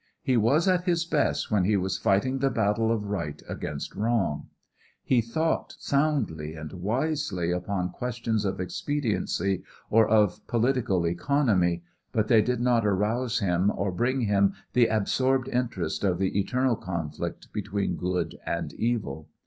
He was at his best when he was fighting me battle of right against wrong. He thought soundly and wisely upon questions of expediency or of political economy, but they did not rouse him or bring him the absorbed interest of the eternal conflict between good and evil.